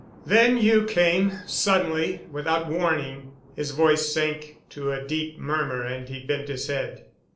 "Then you came—suddenly—without warning." His voice sank to a deep murmur and he bent his head.